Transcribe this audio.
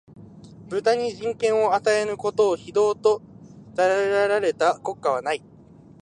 豚に人権を与えぬことを、非道と謗られた国家はない